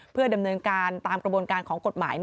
เพื่อดำเนินการตามกระบวนการของกฎหมาย